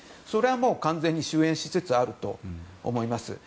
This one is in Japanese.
それは完全に終焉しつつあると思います。